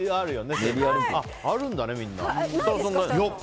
あるんだね、みんな。